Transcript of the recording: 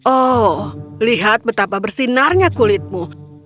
oh lihat betapa bersinarnya kulitmu